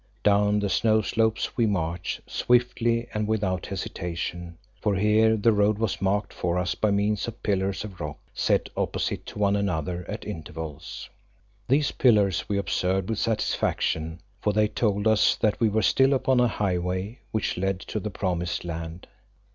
Down the snow slopes we marched swiftly and without hesitation, for here the road was marked for us by means of pillars of rock set opposite to one another at intervals. These pillars we observed with satisfaction, for they told us that we were still upon a highway which led to the Promised Land.